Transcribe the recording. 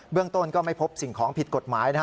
เรื่องต้นก็ไม่พบสิ่งของผิดกฎหมายนะฮะ